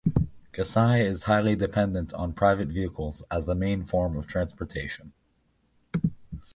Kasai is highly dependent on private vehicles as the main form of transportation.